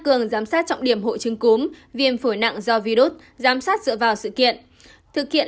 cường giám sát trọng điểm hội chứng cúm viêm phổi nặng do virus giám sát dựa vào sự kiện thực hiện